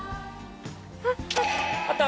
あった？